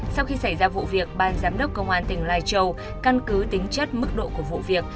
sau khi xảy ra vụ việc ban giám đốc công an tỉnh lai châu căn cứ tính chất mức độ của vụ việc